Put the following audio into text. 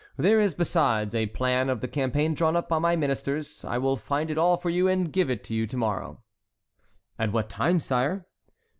There is, besides, a plan of the campaign drawn up by my ministers. I will find it all for you, and give it to you to morrow." "At what time, sire?"